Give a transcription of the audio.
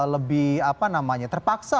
lebih apa namanya terpaksa